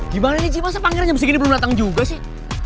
gimana nih cip masa pangeran jam segini belum datang juga sih